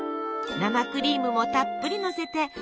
生クリームもたっぷりのせて。